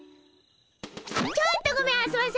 ちょっとごめんあそばせ！